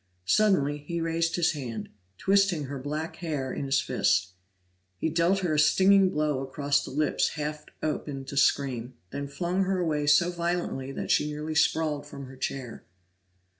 Suddenly he raised his hand; twisting her black hair in his fist, he dealt her a stinging blow across the lips half opened to scream, then flung her away so violently that she nearly sprawled from her chair.